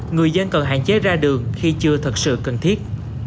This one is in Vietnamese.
người dân cần hạn chế ra đường khi chưa thật sự cần thiết